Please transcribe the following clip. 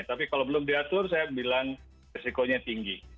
tapi kalau belum diatur saya bilang resikonya tinggi